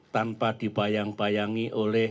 tanpa dibayang bayangi oleh